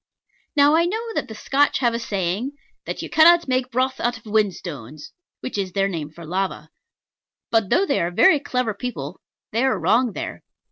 Now I know that the Scotch have a saying, "That you cannot make broth out of whinstones" (which is their name for lava). But, though they are very clever people, they are wrong there.